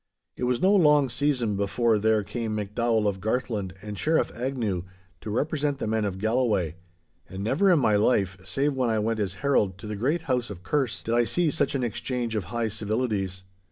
It was no long season before there came MacDowall of Garthland and Sheriff Agnew to represent the men of Galloway, and never in my life, save when I went as herald to the great house of Kerse, did I see such an exchange of high civilities.